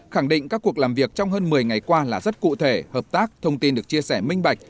khẳng định các cuộc làm việc trong hơn một mươi ngày qua là rất cụ thể hợp tác thông tin được chia sẻ minh bạch